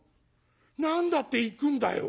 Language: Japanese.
「何だって行くんだよ！」。